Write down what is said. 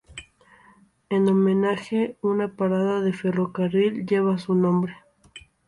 En homenaje, una parada de ferrocarril lleva su nombre.